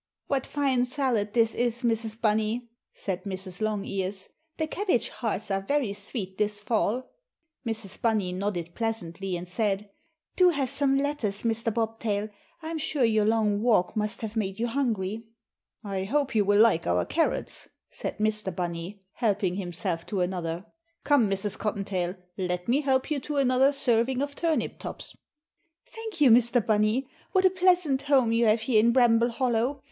"What fine salad this is, Mrs. Bunny," said Mrs. Longears. "The cabbage hearts are very sweet this fall." Mrs. Bunny nodded pleasantly and said, "Do have some lettuce, Mr. Bobtail. I'm sure your long walk must have made you hungry." "I hope you will like our carrots," said Mr. Bunny, helping himself to another. "Come, Mrs. Cottontail, let me help you to another serving of turnip tops." "Thank you, Mr. Bunny. What a pleasant home you have here in Bramble Hollow.